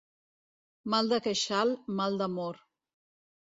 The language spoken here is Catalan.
Mal de queixal, mal d'amor.